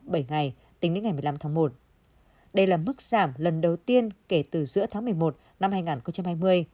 bộ y tế pháp đã tăng lên mức giảm lần đầu tiên kể từ giữa tháng một mươi một năm hai nghìn hai mươi